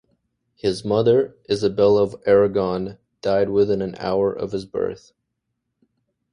His mother, Isabella of Aragon, died within an hour of his birth.